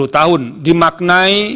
empat puluh tahun dimaknai